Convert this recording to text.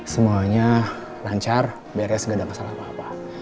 semuanya lancar beres gak ada masalah apa apa